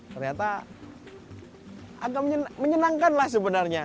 ternyata agak menyenangkan lah sebenarnya